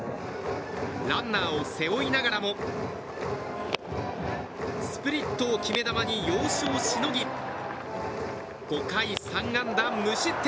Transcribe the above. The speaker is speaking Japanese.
ランナーを背負いながらもスプリットを決め球に要所をしのぎ５回３安打無失点。